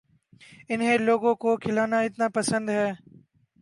انھیں لوگوں کو کھلانا اتنا پسند ہے